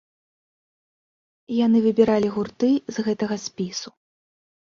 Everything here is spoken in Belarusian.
Яны выбіралі гурты з гэтага спісу.